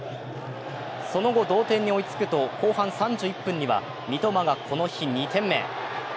その後、同点に追いつくと後半３１分には三笘がこの日２点目。